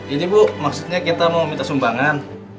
ini bu maksudnya kita mau minta sumbangan